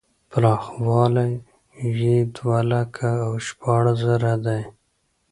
پراخوالی یې دوه لکه او شپاړس زره دی.